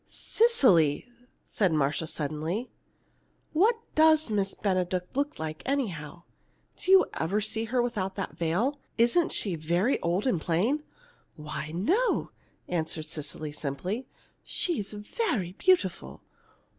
"Cecily," said Marcia, suddenly, "what does Miss Benedict look like, anyhow? Do you ever see her without that veil? Isn't she very old and plain?" "Why, no," answered Cecily, simply. "She's very beautiful."